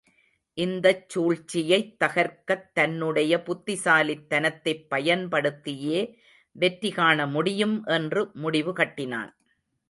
இந்தச் சூழ்ச்சியைத் தகர்க்கத் தன்னுடைய புத்திசாலித் தனத்தைப் பயன்படுத்தியே வெற்றி காண முடியும் என்று முடிவு கட்டினான்.